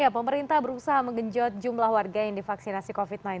pemerintah berusaha menggenjot jumlah warga yang divaksinasi covid sembilan belas